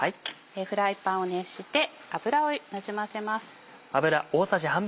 フライパンを熱して油をなじませます。